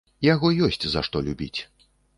Яго ёсць за што любіць.